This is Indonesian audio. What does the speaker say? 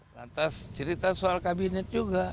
lantas cerita soal kabinet juga